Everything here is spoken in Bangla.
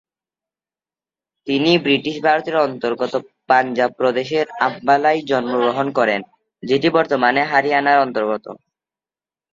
তিনি ব্রিটিশ ভারতের অন্তর্গত পাঞ্জাব প্রদেশের আম্বালায় জন্মগ্রহণ করেন, যেটি বর্তমানে হরিয়ানার অন্তর্গত।